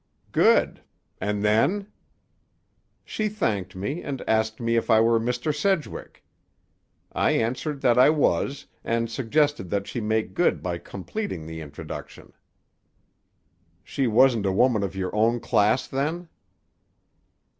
"Good. And then?" "She thanked me, and asked if I were Mr. Sedgwick. I answered that I was, and suggested that she make good by completing the introduction." "She wasn't a woman of your own class, then?"